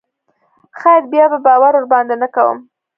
خير بيا به باور ورباندې نه کوم.